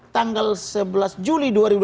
tanggal sebelas juli dua ribu dua puluh